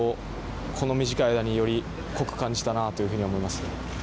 この短い間により濃く感じたなというふうに思います。